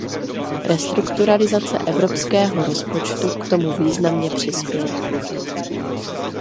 Restrukturalizace evropského rozpočtu k tomu významně přispěje.